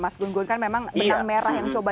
mas gun gun kan memang benang merah yang coba